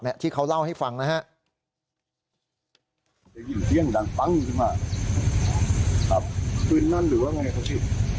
ปืนนั้นหรือว่าไงครับที่